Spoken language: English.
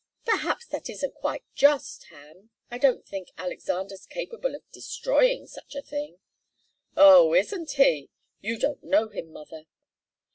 "Perhaps that isn't quite just, Ham. I don't think Alexander's capable of destroying such a thing." "Oh isn't he! You don't know him, mother.